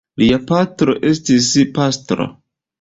Lia patro estis pastro.